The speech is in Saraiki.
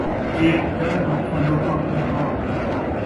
اِیہ کیا جو تُساں لوکاں کوں تاں